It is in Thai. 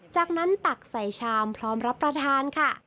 จากนั้นตักใส่ชามพร้อมรับประทานค่ะ